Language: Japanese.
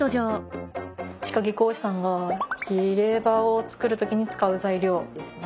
歯科技工士さんが入れ歯を作る時に使う材料ですね。